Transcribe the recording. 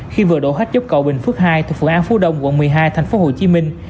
khi vừa đổ hết dốc cậu bình phước hai từ phượng an phú đông quận một mươi hai thành phố hồ chí minh